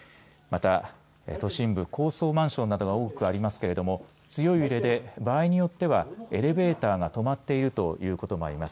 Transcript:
また都心部高層マンションなどが多くありますけれども強い揺れで場合によってはエレベーターが止まっているということもあります。